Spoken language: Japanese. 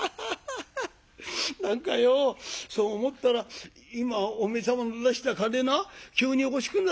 何かようそう思ったら今お前様が出した金な急に欲しくなったぞ。